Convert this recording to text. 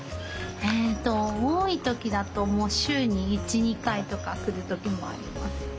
えと多い時だともう週に１２回とか来る時もあります。